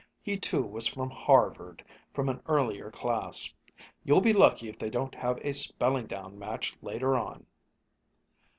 He too was from Harvard, from an earlier class. "You'll be lucky if they don't have a spelling down match, later on."